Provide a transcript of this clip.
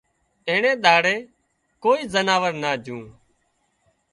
اينڻي ۮاڙي ڪوئي زناور نا جھون